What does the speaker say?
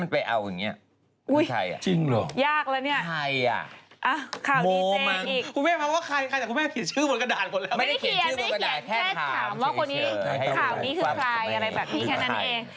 ไม่ได้เขียนแค่ถามว่าของนี่ข่าวนี้คือใครอะไรแบบนี้แค่นั้นเอง